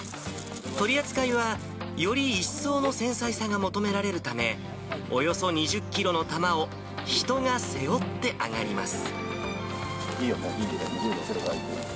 取り扱いは、より一層の繊細さが求められるため、およそ２０キロの玉を、人が背負って上がります。